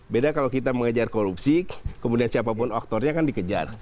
beda kalau kita mengejar korupsi kemudian siapapun aktornya kan dikejar